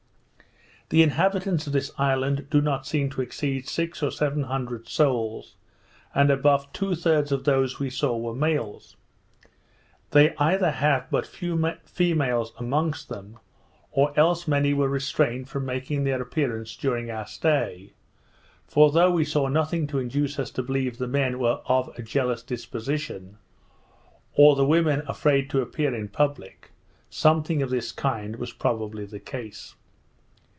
The inhabitants of this island do not seem to exceed six or seven hundred souls, and above two thirds of those we saw were males. They either have but few females amongst them, or else many were restrained from making their appearance during our stay, for though we saw nothing to induce us to believe the men were of a jealous disposition, or the women afraid to appear in public, something of this kind was probably the case.